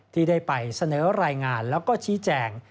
ที่ได้ไปเสนอรายงานแล้วก็ชี้แจง